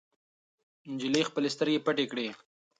نجلۍ خپلې سترګې پټې کړې.